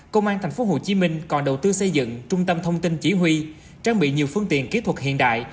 công an tp hcm còn đầu tư xây dựng trung tâm thông tin chỉ huy trang bị nhiều phương tiện kỹ thuật hiện đại